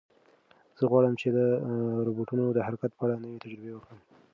زه غواړم چې د روبوټونو د حرکت په اړه نوې تجربه وکړم.